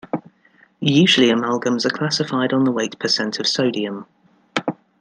Usually amalgams are classified on the weight percent of sodium.